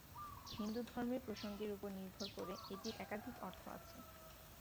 হিন্দুধর্মের প্রসঙ্গের উপর নির্ভর করে এটির একাধিক অর্থ আছে।